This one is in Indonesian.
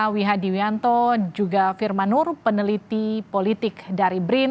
wi hadi wianto juga firman nur peneliti politik dari brin